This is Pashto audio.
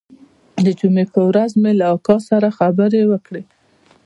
د جمعې پر ورځ مې له اکا سره خبرې وکړې.